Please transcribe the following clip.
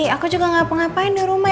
aku juga gak pengapain di rumah